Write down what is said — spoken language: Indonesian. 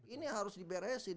ini harus diberesin